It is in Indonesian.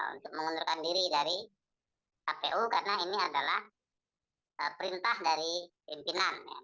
untuk mengundurkan diri dari kpu karena ini adalah perintah dari pimpinan